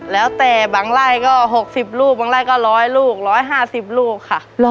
แล้วแต่บางไร่ก็๖๐ลูกบางไร่ก็๑๐๐ลูก๑๕๐ลูกค่ะ